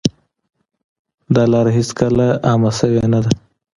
دا لاره هېڅکله عامه شوې نه ده.